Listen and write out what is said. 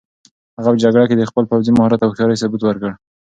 هغه په جګړه کې د خپل پوځي مهارت او هوښیارۍ ثبوت ورکړ.